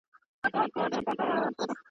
د سرو اوښکو سفر دی چا یې پای نه دی لیدلی.